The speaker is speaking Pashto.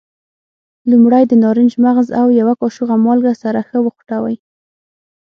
لومړی د نارنج مغز او یوه کاشوغه مالګه سره ښه وخوټوئ.